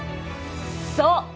そう！